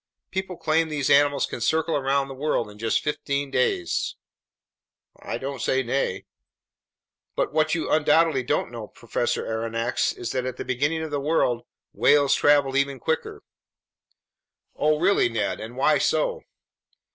People claim these animals can circle around the world in just fifteen days." "I don't say nay." "But what you undoubtedly don't know, Professor Aronnax, is that at the beginning of the world, whales traveled even quicker." "Oh really, Ned! And why so?"